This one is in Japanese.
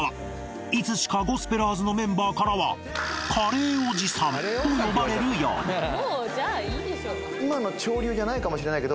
いつしかゴスペラーズのメンバーからはカレーおじさんと呼ばれるようになんです